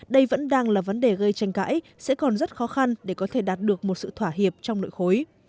đây vẫn đang là vấn đề gây tranh cãi sẽ còn rất khó khăn để có thể đạt được một sự thỏa hiệp trong nội khối